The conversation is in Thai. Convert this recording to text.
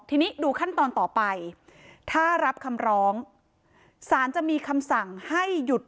ทีนี้ดูขั้นตอนต่อไปถ้ารับคำร้องสารจะมีคำสั่งให้หยุด